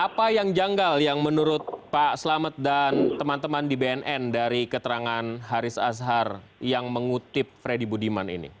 apa yang janggal yang menurut pak selamet dan teman teman di bnn dari keterangan haris azhar yang mengutip freddy budiman ini